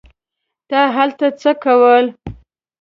تا هلته څه کول.